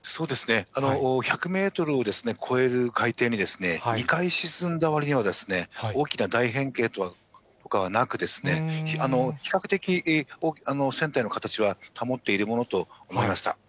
１００メートルを超える海底に、２回沈んだわりには、大きな大変形とかはなく、比較的船体の形は保っているものと思いました。